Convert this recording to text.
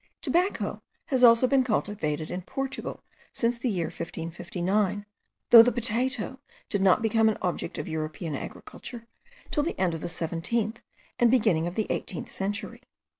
Tobacco has also been cultivated in Portugal since the year 1559, though the potato did not become an object of European agriculture till the end of the seventeenth and beginning of the eighteenth century.